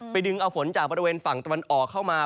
ดึงเอาฝนจากบริเวณฝั่งตะวันออกเข้ามา